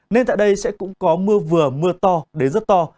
nên tại đây sẽ cũng có mưa vừa mưa to đến rất to